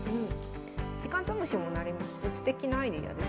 時間潰しにもなりますしすてきなアイデアですよね。